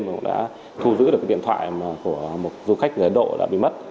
và cũng đã thu giữ được cái điện thoại của một du khách người ấn độ đã bị mất